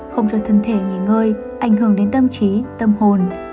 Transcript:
không cho thân thể nghỉ ngơi ảnh hưởng đến tâm trí tâm hồn